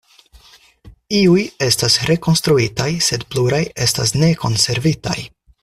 Iuj estas rekonstruitaj, sed pluraj estas ne konservitaj.